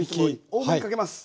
多めにかけます。